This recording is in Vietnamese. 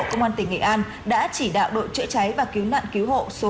công an tỉnh nghệ an đã chỉ đạo đội trợ cháy và cứu nạn cứu hộ số một